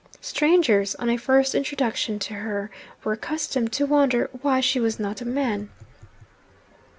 Strangers, on a first introduction to her, were accustomed to wonder why she was not a man.